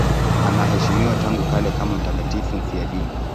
Anaheshimiwa tangu kale kama mtakatifu mfiadini.